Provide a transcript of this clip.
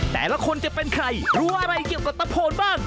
แต่ละคนจะเป็นใครรู้อะไรเกี่ยวกับตะโพนบ้าง